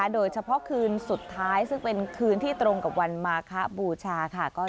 โดยเฉพาะคืนสุดท้ายซึ่งเป็นคืนที่ตรงกับวันมาคะบูชาค่ะ